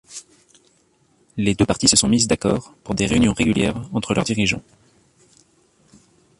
Les deux parties se sont mises d'accord pour des réunions régulières entre leurs dirigeants.